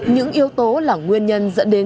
những yếu tố là nguyên nhân dẫn đến